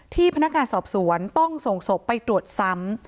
พนักงานสอบสวนต้องส่งศพไปตรวจซ้ำ